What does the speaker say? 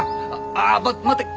あま待って！